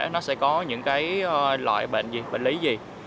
nó sẽ có những loại bệnh lý gì